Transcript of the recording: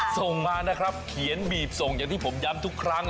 ส่งมานะครับเขียนบีบส่งอย่างที่ผมย้ำทุกครั้ง